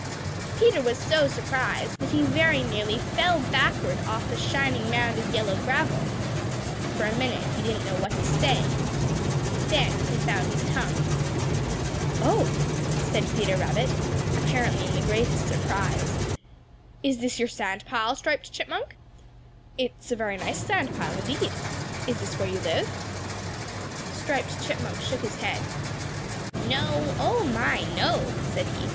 Peter was so surprised that he very nearly fell backward off the shining mound of yellow gravel. For a minute he didn't know what to say. Then he found his tongue. [Illustration: Peter was so surprised that he nearly fell backward.] "Oh," said Peter Rabbit, apparently in the greatest surprise, "is this your sand pile, Striped Chipmunk? It's a very nice sand pile indeed. Is this where you live?" Striped Chipmunk shook his head. "No, oh, my, no!" said he.